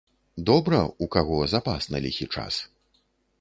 Добра, у каго запас на ліхі час.